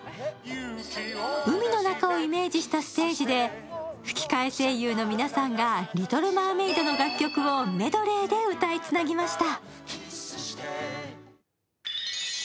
海の中をイメージしたステージで吹き替え声優の皆さんが、「リトル・マーメイド」の楽曲をメドレーで歌いつなぎました。